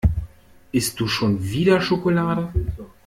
Isst du schon wieder Schokolade?